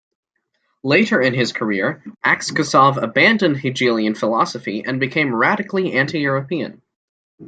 Later in his career, Aksakov abandoned Hegelian philosophy and became radically anti-European.